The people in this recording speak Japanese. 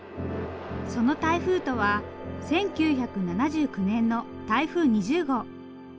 その台風とは１９７９年の台風２０号。